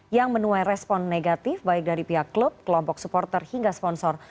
yang menuai respon negatif baik dari pihak klub kelompok supporter hingga sponsor